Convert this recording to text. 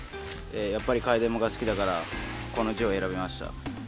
やっぱり櫂伝馬が好きだからこの字を選びました。